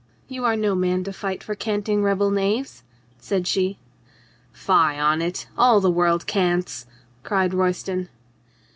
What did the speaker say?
"You are no man to fight for canting rebel knaves," said she. "Fie on it ! All the world cants," cried Royston.